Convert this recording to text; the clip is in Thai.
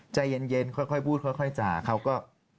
ใจเย็นค่อยพูดค่อยจ่าเขาก็